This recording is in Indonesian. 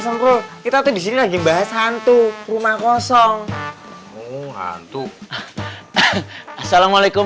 sempro kita tuh disini lagi bahas hantu rumah kosong hantu assalamualaikum